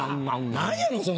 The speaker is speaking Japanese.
何やの？